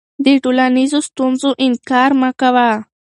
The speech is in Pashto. د ټولنیزو ستونزو انکار مه کوه.